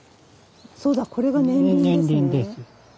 そうだこれが年輪ですね。